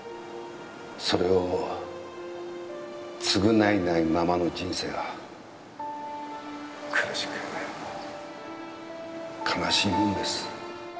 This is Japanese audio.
それを償えないままの人生は苦しく悲しいもんです。